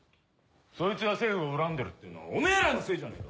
そいつが政府を恨んでるってのはおめぇらのせいじゃねえか！